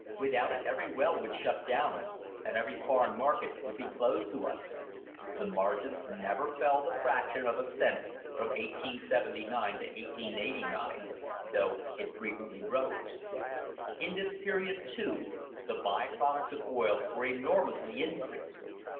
Without it every well would shut down, and every foreign market would be closed to us" the mar gins never fell the fraction of a cent from 1879 to 1889, though it frequently rose. In this period, too, the by products of oil were enormously increased.